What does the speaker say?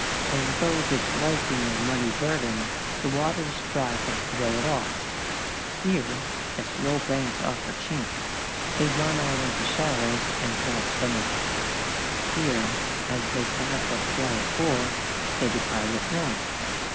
As though disliking their muddy burden, the waters strive to throw it off. Here, as low banks offer chance, they run out into shallows and drop some of it. Here, as they pass a quiet pool, they deposit more.